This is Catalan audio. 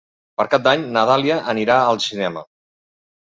Per Cap d'Any na Dàlia anirà al cinema.